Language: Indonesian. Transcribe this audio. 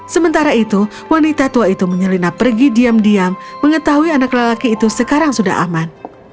sementara itu wanita tua itu menyelinap pergi diam diam mengetahui anak lelaki itu sekarang sudah aman